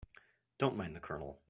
Don't mind the Colonel.